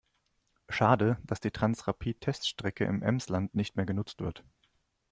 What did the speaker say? Schade, dass die Transrapid-Teststrecke im Emsland nicht mehr genutzt wird.